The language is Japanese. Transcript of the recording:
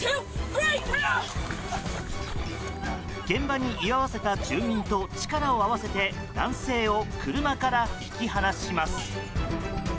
現場に居合わせた住民と力を合わせて男性を車から引き離します。